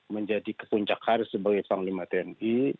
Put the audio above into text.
menjadi kepuncak hari sebagai panglima tni